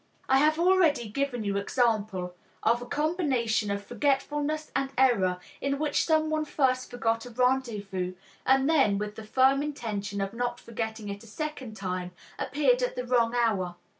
I have already given you an example of a combination of forgetfulness and error in which someone first forgot a rendezvous and then, with the firm intention of not forgetting it a second time, appeared at the wrong hour.